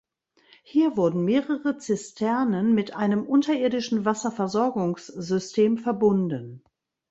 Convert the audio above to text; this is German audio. Hier wurden mehrere Zisternen mit einem unterirdischen Wasserversorgungssystem verbunden.